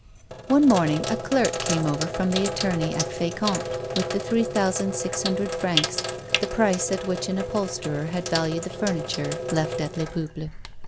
One morning a clerk came over from the attorney at Fecamp with three thousand six hundred francs, the price at which an upholsterer had valued the furniture left at Les Peuples.